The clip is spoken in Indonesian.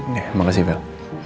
ya makasih vil